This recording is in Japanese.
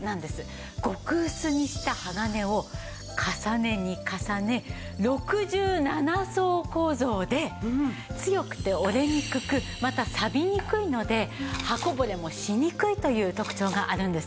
極薄にした鋼を重ねに重ね６７層構造で強くて折れにくくまたさびにくいので刃こぼれもしにくいという特徴があるんです。